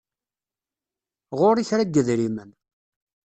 Ɣur-i kra n yedrimen.